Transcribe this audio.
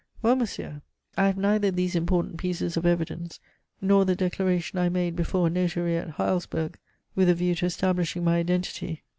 "Well, monsieur, I have neither these important pieces of evidence, nor the declaration I made before a notary at Heilsberg, with a view to establishing my identity.